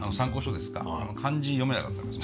あの漢字読めなかったです。